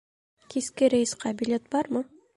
Киске рейсҡа билет бармы?